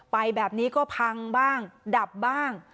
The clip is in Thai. ไปแบบนี้ก็พังบ้างดับบ้าง